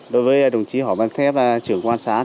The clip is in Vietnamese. đối với đồng chí hỏ văn thép trưởng quan sát